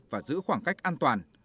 và giữ khoảng cách an toàn